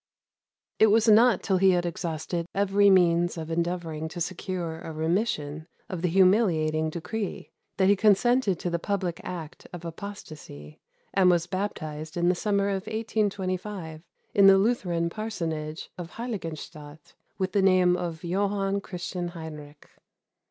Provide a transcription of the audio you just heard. It was not till he had exhausted every means of endeavoring to secure a remission of the humiliating decree that he consented to the public act of apostasy, and was baptized in the summer of 1825 in the Lutheran parsonage of Heiligenstadt with the name of Johann Christian Heinrich.